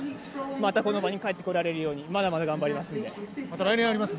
またこの場に帰ってこられるようにまだまだ頑張りますんで。